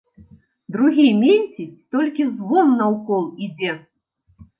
Другі менціць, толькі звон наўкол ідзе.